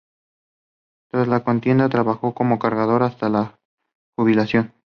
Tras la contienda trabajó como cargador hasta su jubilación.